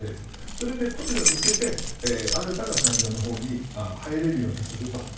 それで、これを受けて新たな産業のほうに入れるようにすると。